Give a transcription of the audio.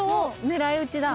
狙い撃ちだ。